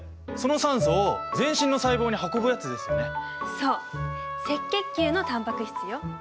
そう赤血球のタンパク質よ。